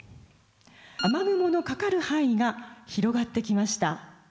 雨雲のかかる範囲が広がってきました。